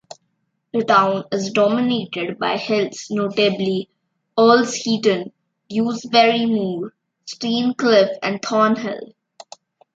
The town is dominated by hills, notably Earlsheaton, Dewsbury Moor, Staincliffe and Thornhill.